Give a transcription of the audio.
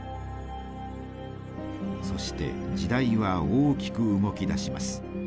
そして時代は大きく動きだします。